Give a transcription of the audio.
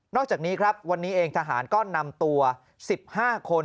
อกจากนี้ครับวันนี้เองทหารก็นำตัว๑๕คน